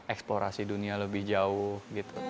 eksplorasi dunia lebih jauh